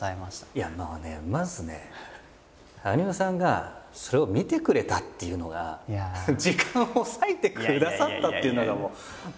いやもうねまずね羽生さんがそれを見てくれたっていうのが時間を割いてくださったっていうのがもう申し訳なくて。